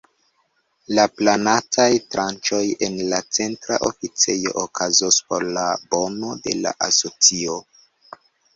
La planataj tranĉoj en la Centra Oficejo okazos por la bono de la asocio.